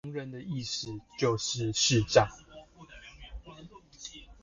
盲人的意思就是視障